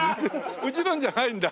うちのじゃないんだ？